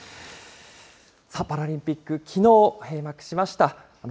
さあ、パラリンピック、きのう閉幕しました。